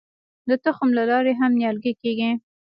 د تخم له لارې هم نیالګي کیږي.